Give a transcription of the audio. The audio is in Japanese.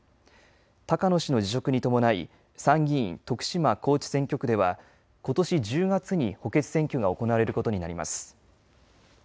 高野氏の辞職に伴い参議院徳島高知選挙区ではことし１０月に補欠選挙が行われることになります。